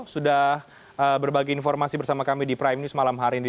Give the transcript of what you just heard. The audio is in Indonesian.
sudah berbagi informasi bersama kami di prime news malam hari ini